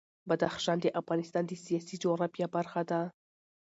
بدخشان د افغانستان د سیاسي جغرافیه برخه ده.